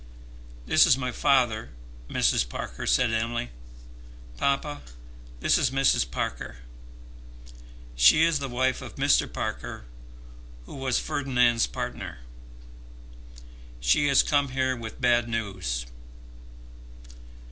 "This is my father, Mrs. Parker," said Emily. "Papa, this is Mrs. Parker. She is the wife of Mr. Parker, who was Ferdinand's partner. She has come here with bad news."